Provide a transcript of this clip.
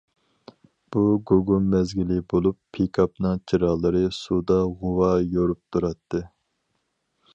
بۇ گۇگۇم مەزگىلى بولۇپ، پىكاپنىڭ چىراغلىرى سۇدا غۇۋا يورۇپ تۇراتتى.